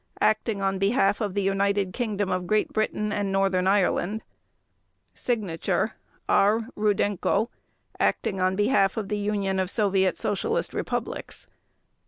Acting on Behalf of the United Kingdom of Great Britain and Northern Ireland. /s/ R. RUDENKO. _Acting on Behalf of the Union of Soviet Socialist Republics.